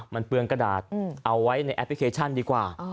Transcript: มันเปลืองกระดาษเอาไว้ในแอปพลิเคชันดีกว่า